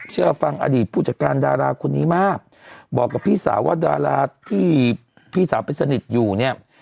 เชื่อฟังอดีตผู้จัดการดาราคนนี้มากบอกกับพี่สาวว่าดาราที่พี่สาวไปสนิทอยู่เนี่ย